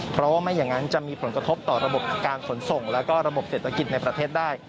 เพราะว่าไม่อย่างนั้นจะมีผลกระทบต่อระบบการขนส่งแล้วก็ระบบเศรษฐกิจในประเทศได้